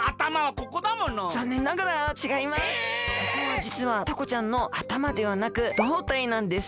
ここはじつはタコちゃんのあたまではなく胴体なんです。